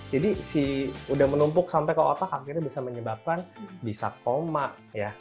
jadi si udah menumpuk sampai ke otak akhirnya bisa menyebabkan bisa koma ya